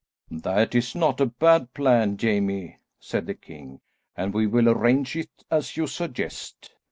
"That is not a bad plan, Jamie," said the king, "and we will arrange it as you suggest."